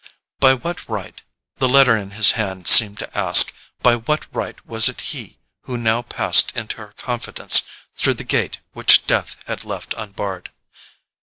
By what right—the letter in his hand seemed to ask—by what right was it he who now passed into her confidence through the gate which death had left unbarred?